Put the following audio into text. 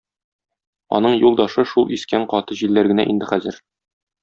Аның юлдашы шул искән каты җилләр генә инде хәзер.